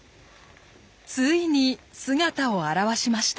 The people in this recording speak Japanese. ついに姿を現しました。